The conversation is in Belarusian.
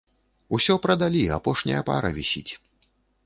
Усё прадалі, апошняя пара вісіць.